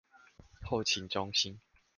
後勤中心